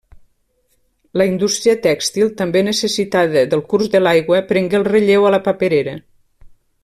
La indústria tèxtil, també necessitada del curs de l'aigua, prengué el relleu a la paperera.